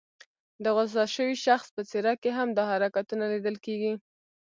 د غوسه شوي شخص په څېره کې هم دا حرکتونه لیدل کېږي.